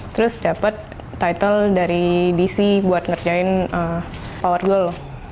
terus dapet title dari dc buat ngerjain power girl